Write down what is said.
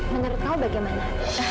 menurut kamu bagaimana